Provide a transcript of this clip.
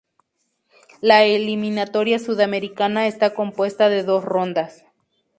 La eliminatoria sudamericana está compuesta de dos rondas.